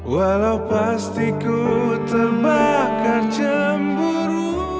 walau pasti ku terbakar cemburu